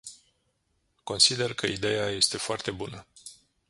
Consider că ideea este foarte bună.